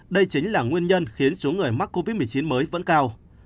đây chính là nguyên nhân khiến số người mắc covid một mươi chín mới vẫn cao